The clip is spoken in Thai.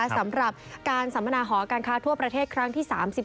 สำหรับการสัมมนาหอการค้าทั่วประเทศครั้งที่๓๔